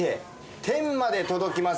天まで届きます。